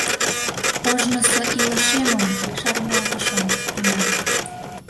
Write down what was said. Ожнысо илышемым шарналтышым тунам.